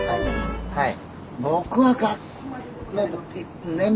はい。